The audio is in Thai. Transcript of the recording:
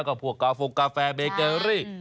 ก็พวกกาโฟงกาแฟเบเกอรี่